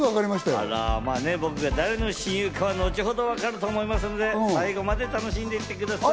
僕が誰の親友かは、後ほど分かると思いますので、最後まで楽しんでいってください。